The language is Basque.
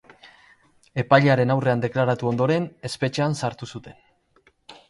Epailearen aurrean deklaratu ondoren, espetxean sartu zuten.